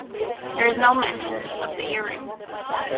There is no mention of the earrings.